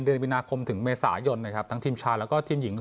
เดือนมีนาคมถึงเมษายนนะครับทั้งทีมชายแล้วก็ทีมหญิง